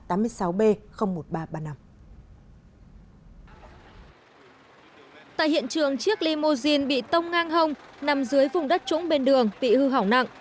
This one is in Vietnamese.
tại hiện trường chiếc limousine bị tông ngang hồng nằm dưới vùng đất trũng bên đường bị hư hỏng nặng